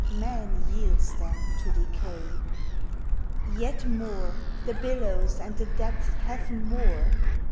Man yields them to decay. Yet more, the billows and the depths have more!